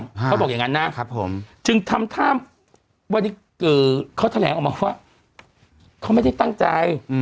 เขาบอกอย่างงั้นนะจึงทำท่าเขาแถลงออกมาว่าเขาไม่ได้ตั้งใจ